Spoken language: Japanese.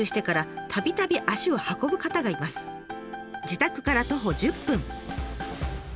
自宅から徒歩１０分。